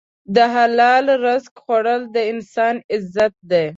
د حلال رزق خوړل د انسان عزت دی.